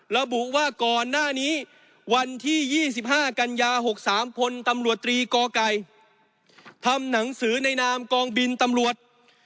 ระบุว่าก่อนหน้านี้วันที่๒๕กันยา๖๓พลตำรวจตรีกไก่ทำหนังสือในนามกองบินตำรวจ